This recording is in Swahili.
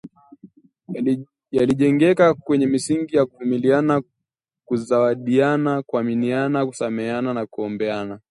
Yalijengeka kwenye misingi ya kuvumiliana, kuzawidiana, kuaminiana, kusameheana na kuombeana